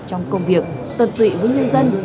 trong công việc tật tụy với nhân dân